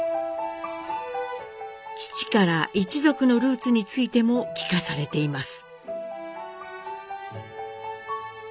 父から一族のルーツについても聞かされています。